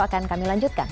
akan kami lanjutkan